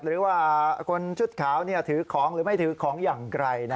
หรือว่าคนชุดขาวถือของหรือไม่ถือของอย่างไกล